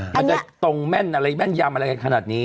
มันจะตรงแม่นอะไรแม่นยำอะไรกันขนาดนี้